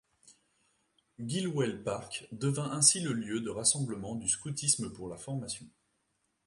Gilwell Park devint ainsi le lieu de rassemblement du scoutisme pour la formation.